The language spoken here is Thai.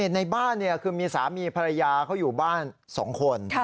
ในบ้านคือมีสามีภรรยาเขาอยู่บ้าน๒คน